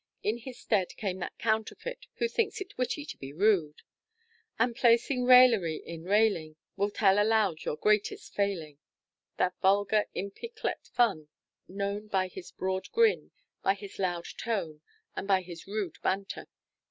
In his stead came that counterfeit, who thinks it witty to be rude: "And placing raillery in railing, Will tell aloud your greatest failing " that vulgar imp yclept Fun known by his broad grin, by his loud tone, and by his rude banter.